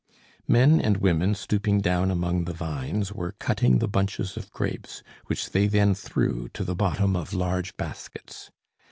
Men and women stooping down among the vines, were cutting the bunches of grapes, which they then threw to the bottom of large baskets.